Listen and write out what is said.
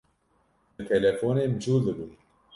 Bi telefonê mijûl dibû.